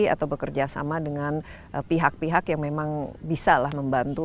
atau bekerjasama dengan pihak pihak yang memang bisalah membantu